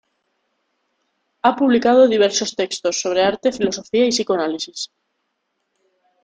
Ha publicado diversos textos sobre arte, filosofía y psicoanálisis.